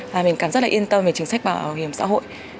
và mình cảm rất là yên tâm về chính sách bảo hiểm xã hội